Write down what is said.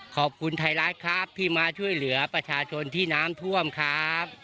ขอบคุณไทยรัฐครับที่มาช่วยเหลือประชาชนที่น้ำท่วมครับ